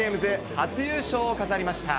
初優勝を飾りました。